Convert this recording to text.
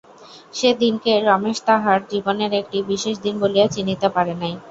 সে দিনকে রমেশ তাহার জীবনের একটি বিশেষ দিন বলিয়া চিনিতে পারে নাই।